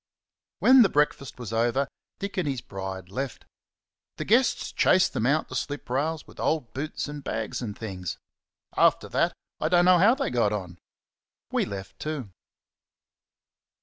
When the "breakfast" was over, Dick and his bride left. The guests chased them out the slip rails with old boots and bags and things. After that I don't know how they got on. We left too.